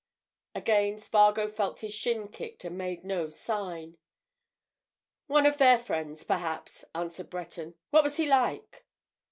Again Spargo felt his shin kicked and made no sign. "One of their friends, perhaps," answered Breton. "What was he like?"